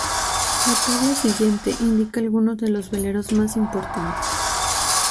La tabla siguiente indica algunos de los veleros más importantes.